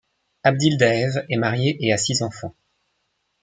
Abdyldaev est marié et a six enfants.